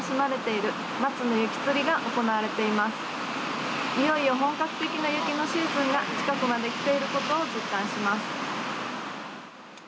いよいよ本格的な雪のシーズンが近くまで来ていることを実感します。